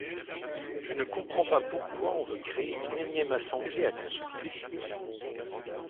Je ne comprends pas pourquoi on veut créer une énième assemblée à consulter.